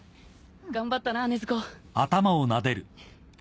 頑張ったな禰豆子。